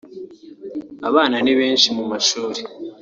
abana ni benshi mu mashuri